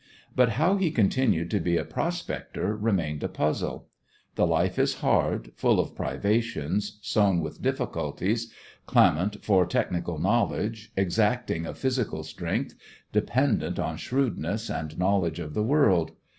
But how he continued to be a prospector remained a puzzle. The life is hard, full of privations, sown with difficulties, clamant for technical knowledge, exacting of physical strength, dependent on shrewdness and knowledge of the world.